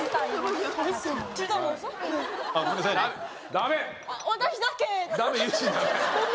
ダメ！